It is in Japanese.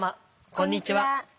こんにちは。